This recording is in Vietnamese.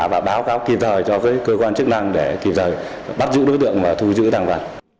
và báo cáo kịp thời cho cái cơ quan chức năng để kịp thời bắt giữ đối tượng và thu giữ thằng bạn